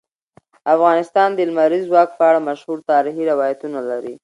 افغانستان د لمریز ځواک په اړه مشهور تاریخی روایتونه لري.